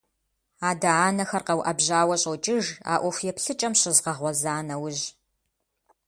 Адэ-анэхэр къэуӀэбжьауэ щӀокӀыж а Ӏуэху еплъыкӀэм щызгъэгъуэза нэужь.